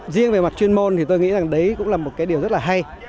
riêng về mặt chuyên môn thì tôi nghĩ rằng đấy cũng là một cái điều rất là hay